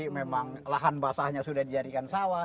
memang lahan basahnya sudah dijadikan sawah